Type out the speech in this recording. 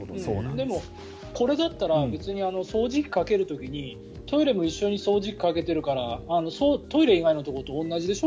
でも、これだったら別に掃除機かける時にトイレも一緒に掃除機かけているからトイレ以外のところと同じでしょ？